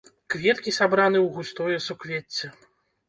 Кветкі сабраны ў густое суквецце.